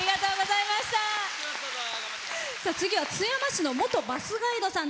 次は津山市の元バスガイドさん。